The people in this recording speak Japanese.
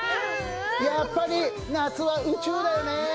やっぱり夏は宇宙だよね。